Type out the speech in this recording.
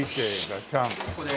ここで。